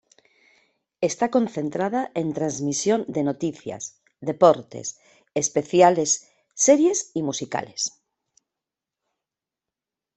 Está concentrada en transmisión de noticias, deportes, especiales, series y musicales.